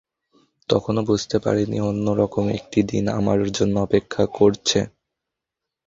তখনো বুঝতে পারিনি অন্য রকম একটি দিন আমার জন্য অপেক্ষা করছে।